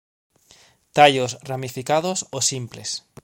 Tallos ramificados o simples.